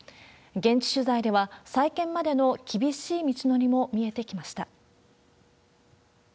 現地取材では、再建までの厳しい道のりも見えてきました。